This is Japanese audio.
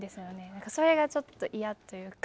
何かそれがちょっと嫌というか。